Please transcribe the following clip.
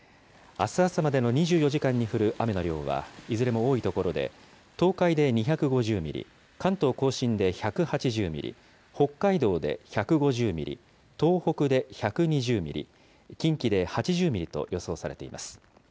あす朝までの２４時間に降る雨の量は、いずれも多い所で東海で２５０ミリ、関東甲信で１８０ミリ、北海道で１５０ミリ、東北で１２０ミリ、近畿で８０ミリと予想されています。